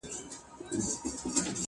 زه له توره بخته د توبې غیرت نیولی وم!!